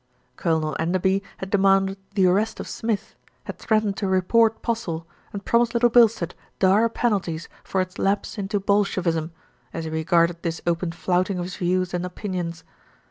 Colonel Enderby had demanded the arrest of Smith, had threatened to report Postle, and promised Little Bilstead dire penalties for its lapse into Bolshevism, as he regarded this open flouting of his views and opinions.